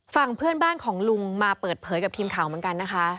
ฝั่งเพื่อนบ้านของลุงมาเปิดเผยกับทีมข่าวเหมือนกันนะคะ